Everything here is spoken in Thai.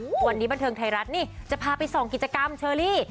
วันนี้บันเทิงไทยรัฐนี่จะพาไปส่องกิจกรรมเชอรี่